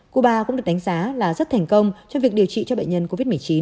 cuba cũng được đánh giá là rất thành công trong việc điều trị cho bệnh nhân covid một mươi chín